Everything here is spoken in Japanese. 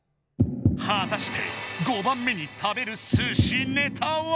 はたして５番目に食べるすしネタは？